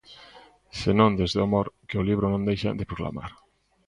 Senón desde o amor, que o libro non deixa de proclamar.